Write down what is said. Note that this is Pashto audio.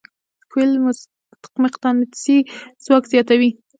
کویل مقناطیسي ځواک زیاتوي.